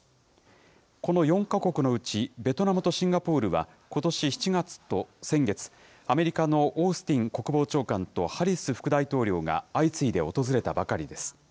この４か国のうち、ベトナムとシンガポールは、ことし７月と先月、アメリカのオースティン国防長官とハリス副大統領が相次いで訪れたばかりです。